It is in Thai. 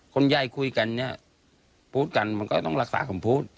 คนใหญ่คุยกันเนี่ยพูดกันมันก็ต้องรักษาคำพูด